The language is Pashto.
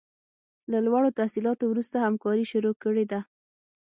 له لوړو تحصیلاتو وروسته همکاري شروع کړې ده.